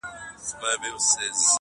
د خوشال خان خټک یو شعر نومې کتاب کې